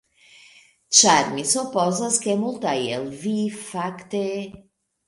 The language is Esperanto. Ĉar, mi supozas ke multaj el vi, fakte...